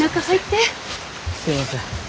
すいません。